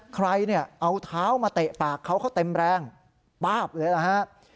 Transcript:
ใครเนี่ยเอาเท้ามาเตะปากเขาเขาเต็มแรงป๊าบเลยนะฮะ